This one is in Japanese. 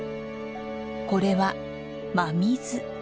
これは真水。